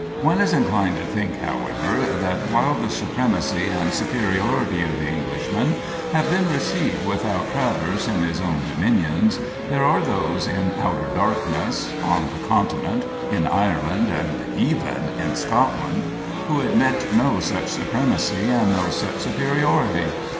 One is inclined to think, however, that, while the supremacy and superiority of the Englishman have been received without traverse in his own dominions, there are those in outer darkness on the Continent, in Ireland, and even in Scotland who admit no such supremacy and no such superiority.